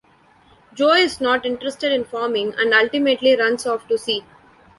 Joe is not interested in farming and ultimately runs off to sea.